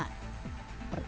pertama skrin yang diperlukan